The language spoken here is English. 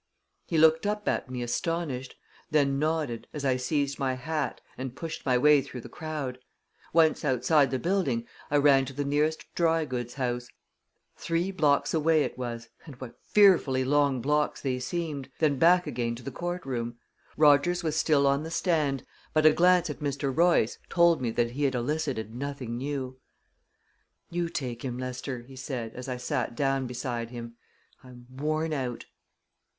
He looked up at me astonished; then nodded, as I seized my hat, and pushed my way through the crowd. Once outside the building, I ran to the nearest dry goods house three blocks away it was, and what fearfully long blocks they seemed! then back again to the courtroom. Rogers was still on the stand, but a glance at Mr. Royce told me that he had elicited nothing new. "You take him, Lester," he said, as I sat down beside him. "I'm worn out."